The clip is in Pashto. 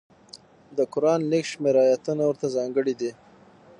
د قران لږ شمېر ایتونه ورته ځانګړي دي.